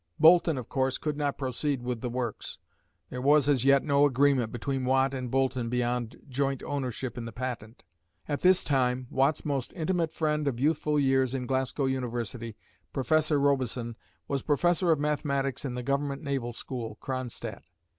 Boulton, of course, could not proceed with the works. There was as yet no agreement between Watt and Boulton beyond joint ownership in the patent. At this time, Watt's most intimate friend of youthful years in Glasgow University, Professor Robison, was Professor of mathematics in the Government Naval School, Kronstadt.